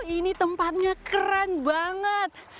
ini tempatnya keren banget